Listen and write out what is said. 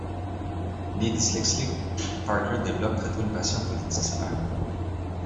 Né dyslexique, Parker développe très tôt une passion pour les dictionnaires.